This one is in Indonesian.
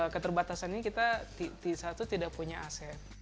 keterbatasan ini kita di satu tidak punya aset